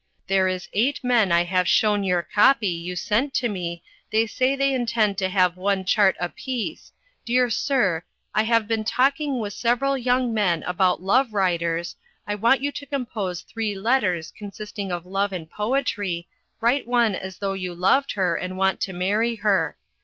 there is Eight men I have shewn your copy you sent to me they say they intend to have one chart a piece Dear Sir I have been talking with Several young Men about love writers I want you to compose three letters consisting of love and poetry write one as though you loved her and want to marry her.